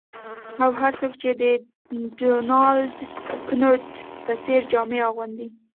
او هر څوک چې د ډونالډ کنوت په څیر جامې اغوندي